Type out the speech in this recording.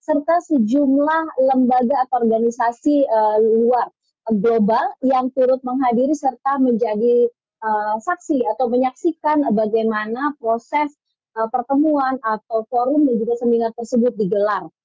serta sejumlah lembaga atau organisasi luar global yang turut menghadiri serta menjadi saksi atau menyaksikan bagaimana proses pertemuan atau forum dan juga seminar tersebut digelar